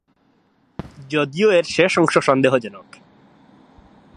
যদিও এর শেষ অংশ সন্দেহ জনক।